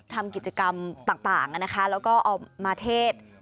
ทำกิจกรรมต่างนะคะแล้วก็เอามาเทศ